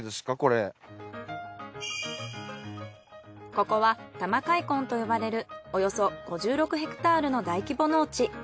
ここは多摩開墾と呼ばれるおよそ５６ヘクタールの大規模農地。